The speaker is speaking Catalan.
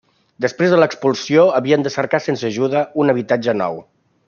Després de l'expulsió havien de cercar sense ajuda, un habitatge nou.